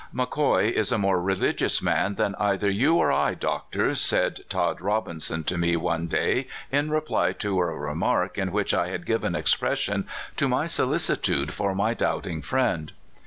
" McCoy is a more religious man than either you or I, Doctor," said Tod Kobinson to me one day in reply to a remark in which I had given expression to my solicitude for my doubting friend.